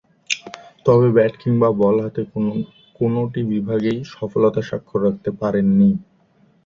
তবে, ব্যাট কিংবা বল হাতে কোনটি বিভাগেই সফলতার স্বাক্ষর রাখতে পারেননি।